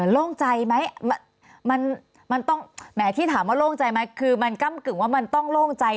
โล่งใจไหมมันต้องแหมที่ถามว่าโล่งใจไหมคือมันก้ำกึ่งว่ามันต้องโล่งใจ